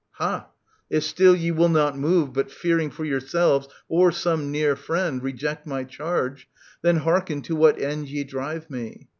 Hah ! If still ye will not move But, fearing for yourselves or some near friend. Reject my charge, then hearken to what end Ye drive me.